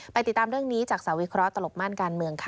ติดตามเรื่องนี้จากสาวิเคราะหลบม่านการเมืองค่ะ